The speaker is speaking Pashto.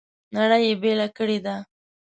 نړۍ یې بېله کړې ده.